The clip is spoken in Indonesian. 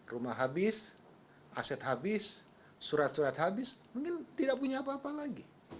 rumah habis aset habis surat surat habis mungkin tidak punya apa apa lagi